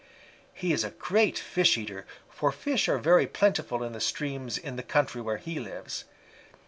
He is a great fish eater, for fish are very plentiful in the streams in the country where he lives.